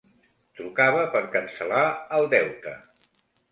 Trucava per cancel·lar el deute.